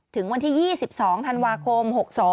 ถึงวันที่๒๒ธันวาคม๖๒